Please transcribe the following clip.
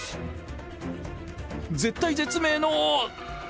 絶体絶命の。